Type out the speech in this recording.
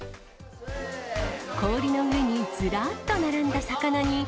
氷の上にずらっと並んだ魚に。